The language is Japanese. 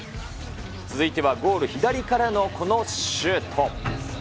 続いてはゴール左からのこのシュート。